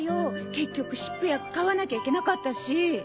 結局湿布薬買わなきゃいけなかったし。